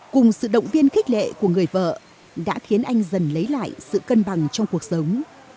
cùng sự động viên khích lệ của người vợ đã khiến anh dần lấy lại sự cân bằng trong cuộc sống